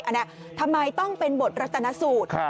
อันนี้ทำไมต้องเป็นบทรัฐนสูตร